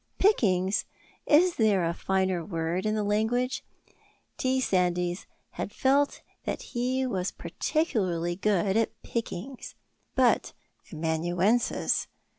Pickings! Is there a finer word in the language? T. Sandys had felt that he was particularly good at pickings. But amanuensis?